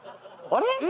あれ？